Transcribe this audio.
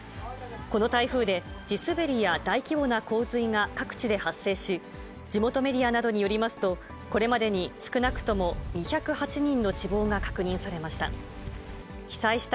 この台風で、地滑りや大規模な洪水が各地で発生し、地元メディアなどによりますと、これまでに少なくとも２０８人の死亡が確認されました。